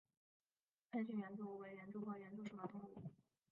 横形园蛛为园蛛科园蛛属的动物。